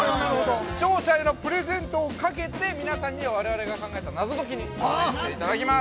視聴者へのプレゼントをかけて、皆さんには我々が考えた謎解きに挑戦していただきます。